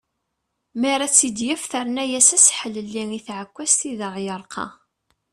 Mi ara tt-id-yaf terna-yas aseḥlelli i tεekkazt i d aɣ-yerqa.